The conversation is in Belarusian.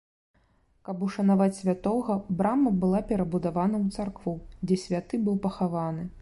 Каб ушанаваць святога, брама была перабудавана ў царкву, дзе святы быў пахаваны.